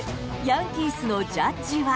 ヤンキースのジャッジは。